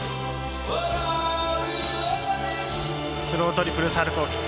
スロートリプルサルコー。